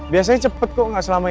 biasanya cepet kok gak selama ini